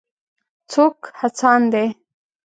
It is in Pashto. څوک هڅاند دی.